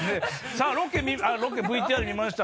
さぁロケＶＴＲ見ました